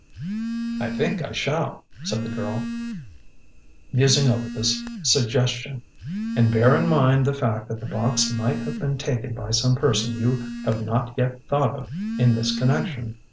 "I think I shall," said the girl, musing over this suggestion. "And bear in mind the fact that the box might have been taken by some person you have not yet thought of in this connection.